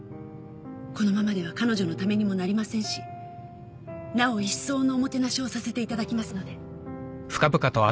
このままでは彼女のためにもなりませんしなおいっそうのおもてなしをさせていただきますので。